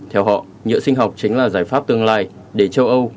theo họ nhựa sinh học chính là giải pháp tương lai để châu âu